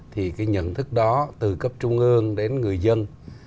thì cái nhận thức đó từ cấp trung ương đến người dân